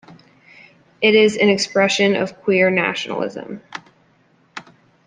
It is an expression of queer nationalism.